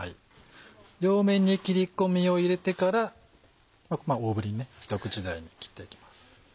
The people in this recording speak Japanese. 両面に切り込みを入れてから大ぶりに一口大に切っていきます。